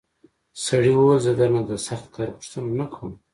سړي وویل زه درنه د سخت کار غوښتنه نه کوم.